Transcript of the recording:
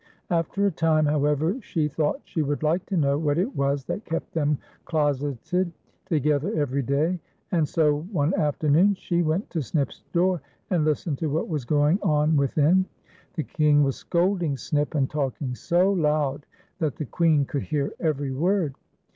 After a time, however, she thought she would like to know what it was that kept them closeted FAIRIE AND BROWNIE. 17 1 toj^cther even day, and so one afternoon she went to Snip's door and listened to what was going on vvitliin. The King ^\as scolding Snip, and talking so loud that the Ouccn could hear e\ ery word.